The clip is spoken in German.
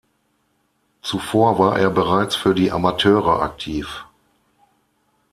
Zuvor war er bereits für die Amateure aktiv.